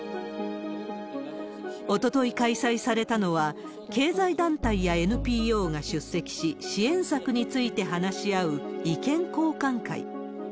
おととい開催されたのは、経済団体やＮＰＯが出席し、支援策について話し合う意見交換会。